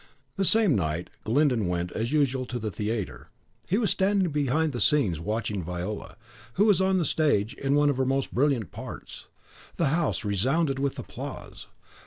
The same night, Glyndon went, as usual, to the theatre. He was standing behind the scenes watching Viola, who was on the stage in one of her most brilliant parts. The house resounded with applause.